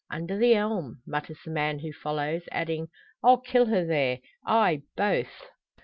"Under the elm," mutters the man who follows, adding, "I'll kill her there ay, both!"